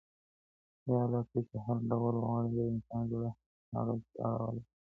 يا الله ته چي هر ډول وغواړې، د انسان زړه هغسي اړولای سې.